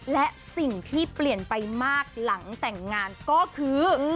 และสิ่งที่เปลี่ยนไปมากหลังแต่งงานก็คือ